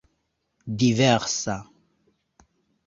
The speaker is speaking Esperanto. diversa